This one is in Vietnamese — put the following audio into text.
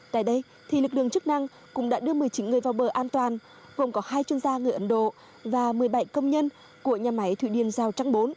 tại đây lực lượng chức năng cũng đã đưa một mươi chín người vào bờ an toàn gồm có hai chuyên gia người ấn độ và một mươi bảy công nhân của nhà máy thủy điện giao trang bốn